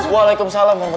waalaikumsalam bapak tuhan